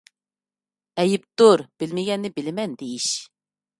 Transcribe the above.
ئەيىبتۇر بىلمىگەننى بىلىمەن دېيىش.